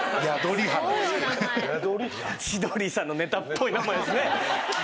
千鳥さんのネタっぽい名前ですね。